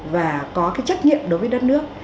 và có cái trách nhiệm đối với đất nước